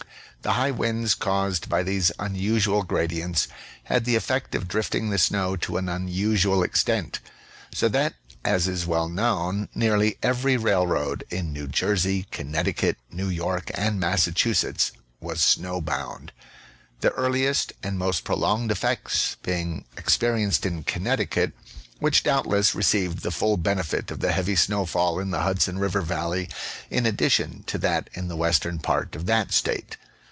The high winds caused by these unusual gradients had the effect of drift ing the snow to an unusual extent, so that, as is well known, nearly every railroad in New Jersey, Connecticut, New York, and Massachusetts was snow bound ; the earliest and most pro longed effects being experienced in Connecticut, which doubtless received the full benefit of the heavy snowfall in the Hudson River valley in addition to that in the western part of that State.